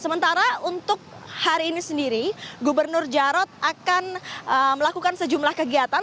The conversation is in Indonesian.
sementara untuk hari ini sendiri gubernur jarod akan melakukan sejumlah kegiatan